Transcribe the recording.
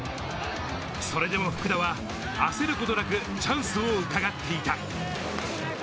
それでも福田は焦ることなくチャンスをうかがっていた。